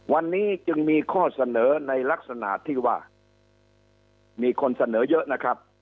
วันนี้จึงมีข้อเสนอในลักษณะที่ว่ามีคนเสนอเยอะนะครับ